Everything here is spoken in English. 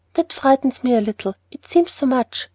That frightens me a little, it seems so much.